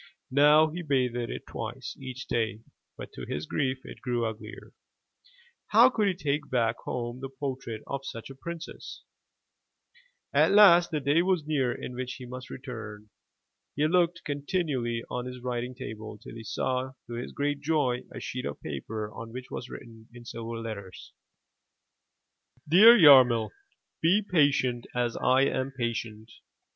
Now he bathed it twice each day, but to his grief it grew uglier. How could he take back home the portrait of such a princess? At last the day was near in which he must return. He looked continually on his writing table till he saw to his great joy a sheet of paper on which was written in silver letters — ''Dear Yarmil, — Be patient, as I am patient.